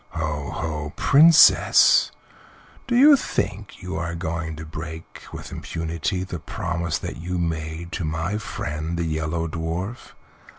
Ho, ho, Princess! Do you think you are going to break with impunity the promise that you made to my friend the Yellow Dwarf?